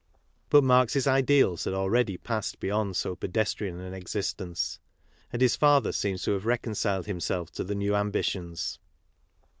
But Marx's ideals had already passed beyond so pedes trian an existence; and his father seems to have reconciled himself to the new ambitions.